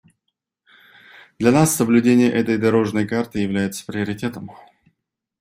Для нас соблюдение этой «дорожной карты» является приоритетом.